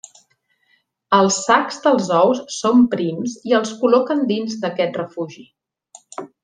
Els sacs dels ous són prims i els col·loquen dins d'aquest refugi.